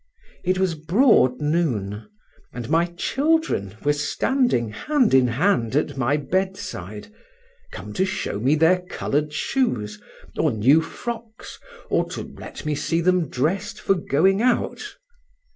It was broad noon, and my children were standing, hand in hand, at my bedside—come to show me their coloured shoes, or new frocks, or to let me see them dressed for going out.